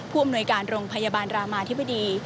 อำนวยการโรงพยาบาลรามาธิบดี